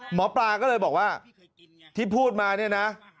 หมอปลาก็เลยบอกว่าที่พูดมาเนี่ยนะ